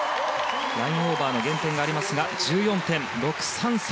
ラインオーバーの減点ありますが１４．６３３。